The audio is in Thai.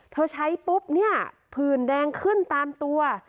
ใช้ปุ๊บเนี่ยผื่นแดงขึ้นตามตัว